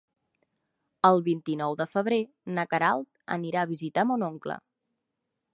El vint-i-nou de febrer na Queralt anirà a visitar mon oncle.